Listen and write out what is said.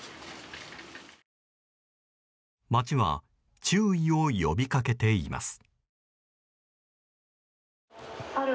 町は注意を呼び掛けています。